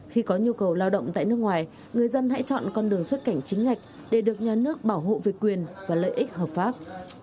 khi có nhu cầu lao động tại nước ngoài người dân hãy chọn con đường xuất cảnh chính ngạch để được nhà nước bảo hộ về quyền và lợi ích hợp pháp